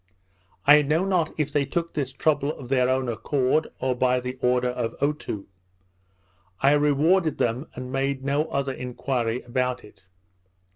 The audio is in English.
I know not if they took this trouble of their own accord, or by the order of Otoo. I rewarded them, and made no other enquiry about it.